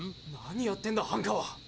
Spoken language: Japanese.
何やってんだハンカは。